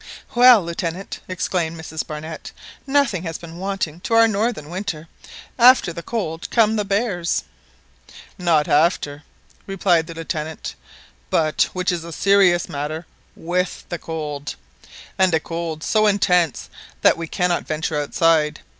"Well, Lieutenant," exclaimed Mrs Barnett, "nothing has been wanting to our northern winter! After the cold come the bears." "Not after," replied the Lieutenant, "but, which is a serious matter, with the cold, and a cold ago intense that we cannot venture outside!